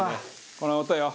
この音よ。